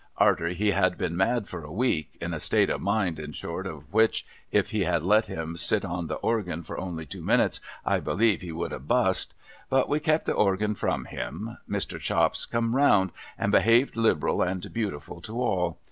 Arter he had been mad for a week — in a state of mind, in short, in which, if I had let him sit on the organ for only two minutes, I believe he would have bust — but we kep the organ from him — Mr. Chops come round, and behaved liberal and beautiful to all.